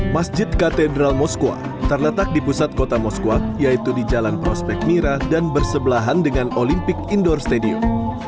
masjid katedral moskwa terletak di pusat kota moskwa yaitu di jalan prospek mira dan bersebelahan dengan olimpik indoor stadium